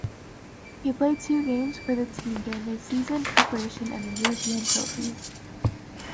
He played two games for the team during the season preparation in the European Trophy.